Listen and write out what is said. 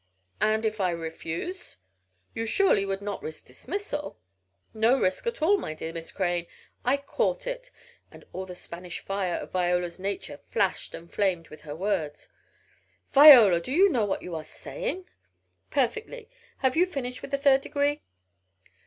"And if I refuse?" "You surely would not risk dismissal?" "No risk at all, my dear Miss Crane, I court it," and all the Spanish fire of Viola's nature flashed and flamed with her words. "Viola! Do you know what you are saying?" "Perfectly. Have you finished with the 'third degree?'"